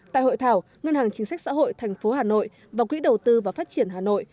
tại hội thảo ngân hàng chính sách xã hội thành phố hà nội và quỹ đầu tư và phát triển hà nội